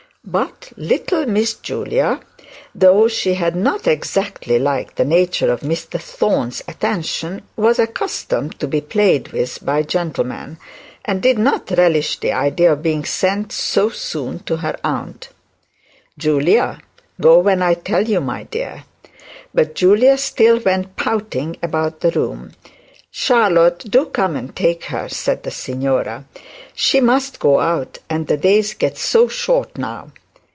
But little Julia, though she had not exactly liked the nature of Mr Thorne's attention, was accustomed to be played with by gentlemen, and did not relish the idea of being sent so soon to her aunt. 'Julia, go when I tell you, my dear.' But Julia still went pouting about the room. 'Charlotte, do come and take her,' said the signora. 'She must go out; and the days get so short now.'